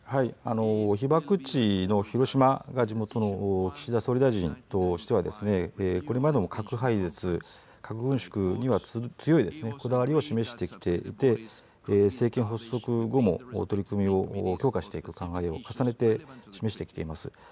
被爆地の広島が地元の岸田総理大臣としてはこれまでも核廃絶、核軍縮には強いこだわりを示してきていて政権発足後も取り組みも強化していく考えを重ねて示してきています。